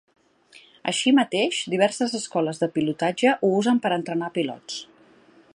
Així mateix, diverses escoles de pilotatge ho usen per a entrenar a pilots.